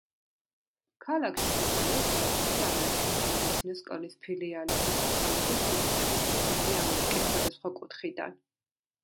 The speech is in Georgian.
ქალაქში მდებარეობს ლათინური ამერიკის სამედიცინო სკოლის ფილიალი, სადაც სწავლობენ სტუდენტები ლათინური ამერიკის სხვადასხვა კუთხიდან.